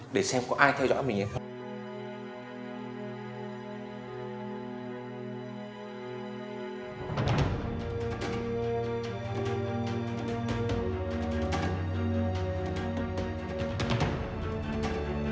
để xem có ai theo dõi mình ấy